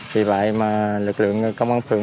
vì vậy mà lực lượng công an phổ thánh